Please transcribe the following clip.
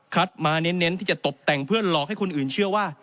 มาเน้นที่จะตบแต่งเพื่อหลอกให้คนอื่นเชื่อว่า